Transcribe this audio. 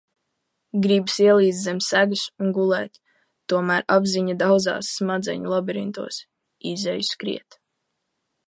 Gribas ielīst zem segas un gulēt, tomēr apziņa dauzās smadzeņu labirintos. Izeju skriet.